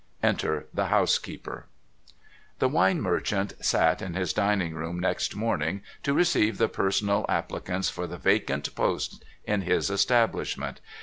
ENTER THE HOUSEKEEPER The wine merchant sat in his dining room next morning, to receive the personal applicants for the vacant post in his establishment.